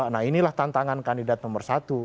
nah inilah tantangan kandidat nomor satu